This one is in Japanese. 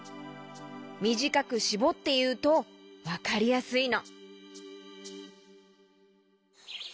みじかくしぼっていうとわかりやすいの。